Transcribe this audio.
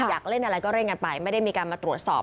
อยากเล่นอะไรก็เร่งกันไปไม่ได้มีการมาตรวจสอบ